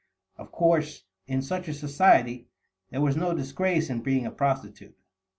Of course, in such a society, there was no disgrace in being a prostitute.